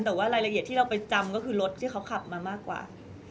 แต่ว่ารายละเอียดที่เราไปจำก็คือรถที่เขาขับมามากกว่า